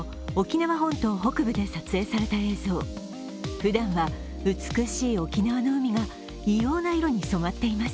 ふだんは美しい沖縄の海が異様な色に染まっています。